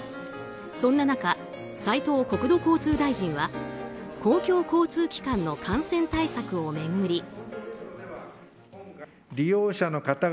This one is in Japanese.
そんな中、斉藤国土交通大臣は公共交通機関の感染対策を巡り。